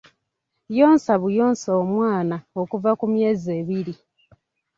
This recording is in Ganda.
Yonsa buyonsa omwana okuva ku myezi ebiri.